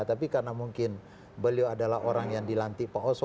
tapi karena mungkin beliau adalah orang yang dilantik pak oso